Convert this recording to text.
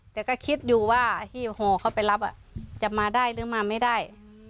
แต่ก็คิดอยู่ว่าที่ห่อเขาไปรับจะมาได้หรือมาไม่ได้